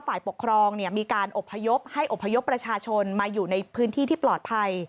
ฝ่ายปกครองมีการอบพยพให้อบพยพประชาชนมาอยู่ในพื้นที่ที่ปลอดภัย